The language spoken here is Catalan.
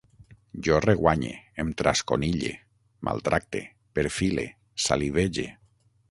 Jo reguanye, em trasconille, maltracte, perfile, salivege